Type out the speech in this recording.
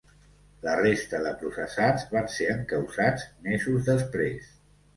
La resta de processats van ser encausats mesos després.